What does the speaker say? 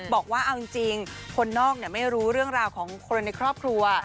บอกว่าเอาจริงคนนอกไม่รู้เรื่องราวของคนในครอบครัว